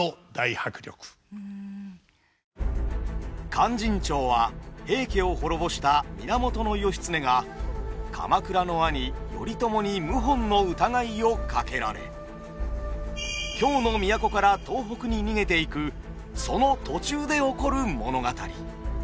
「勧進帳」は平家を滅ぼした源義経が鎌倉の兄頼朝に謀反の疑いをかけられ京の都から東北に逃げていくその途中で起こる物語。